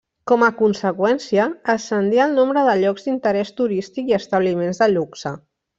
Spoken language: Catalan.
Com a conseqüència ascendí el nombre de llocs d'interès turístic i establiments de luxe.